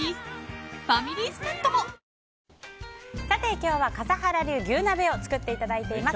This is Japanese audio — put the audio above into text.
今日は笠原流牛鍋を作っていただいています。